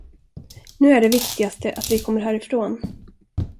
Nu är det viktigaste att vi kommer härifrån.